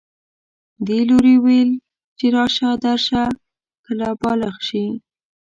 دې لوري ویل چې راشه درشه کله بالغ شي